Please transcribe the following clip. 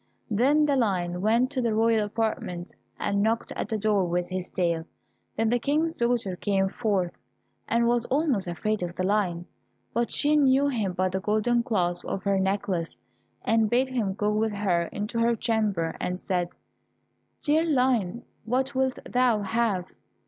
Then the lion went to the royal apartment, and knocked at the door with his tail. Then the King's daughter came forth, and was almost afraid of the lion, but she knew him by the golden clasp of her necklace, and bade him go with her into her chamber, and said, "Dear Lion, what wilt thou have?"